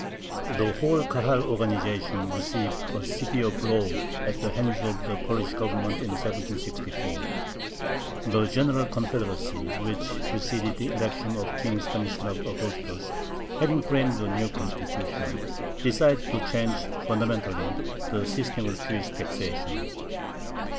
The whole Kahal organization received a severe blow at the hands of the Polish Government in 1764. The General Confederacy which preceded the election of King Stanislav Augustus, having framed a new "constitution," decided to change fundamentally the system of Jewish taxation.